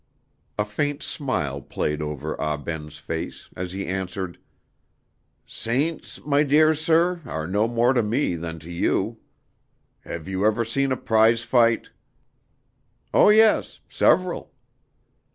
A faint smile played over Ah Ben's face as he answered: "Saints, my dear sir, are no more to me than to you. Have you ever seen a prize fight?" "Oh, yes; several."